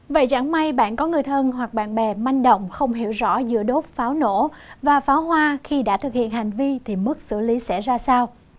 vậy chẳng may bạn có người thân hoặc bạn bè manh động không hiểu rõ giữa đốt pháo nổ và pháo hoa khi đã thực hiện hành vi thì mức xử lý sẽ ra sao